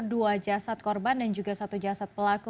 dua jasad korban dan juga satu jasad pelaku